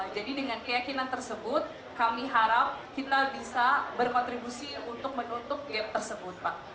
jadi dengan keyakinan tersebut kami harap kita bisa berkontribusi untuk menutup gap tersebut pak